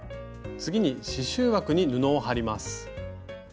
次に刺しゅう枠に布を張ります。